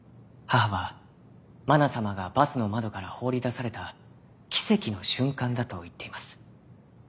母はまな様がバスの窓から放り出された奇跡の瞬間だと言っています。